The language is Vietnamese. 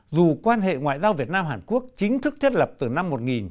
dù quan hệ ngoại giao việt nam hàn quốc chính thức thiết lập từ năm một nghìn chín trăm bảy mươi